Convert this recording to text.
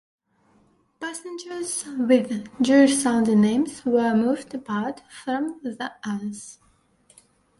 Passengers with Jewish-sounding names were moved apart from the others.